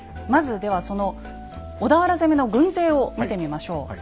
まずではその小田原攻めの軍勢を見てみましょう。